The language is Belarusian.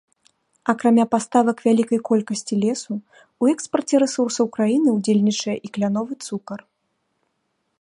Акрамя паставак вялікай колкасці лесу, у экспарце рэсурсаў краіны ўдзельнічае і кляновы цукар.